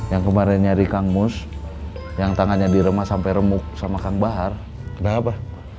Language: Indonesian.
yang kemarin nyari kang mus yang tangannya diremas sampai remuk sama kang bahar kenapa